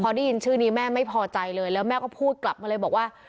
พอได้ยินชื่อนี้แม่ไม่พอใจเลยแล้วแม่ก็พูดกลับมาเลยบอกว่า